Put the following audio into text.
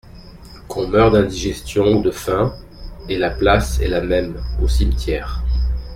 Qu'on meure d'indigestion ou de faim, et la place est la même au cimetière.